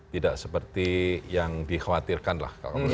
tidak seperti yang dikhawatirkan lah